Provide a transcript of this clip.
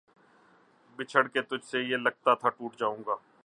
بچھڑ کے تجھ سے یہ لگتا تھا ٹوٹ جاؤں گا